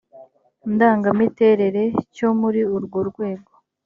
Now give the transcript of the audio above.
ndangamiterere cyo muri urwo rwego